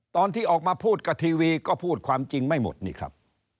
ตอนที่ออกมาพูดกับทีวีก็พูดความจริงไม่หมดนี่ครับ